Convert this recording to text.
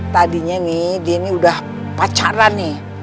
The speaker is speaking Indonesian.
tadinya nih dia ini udah pacaran nih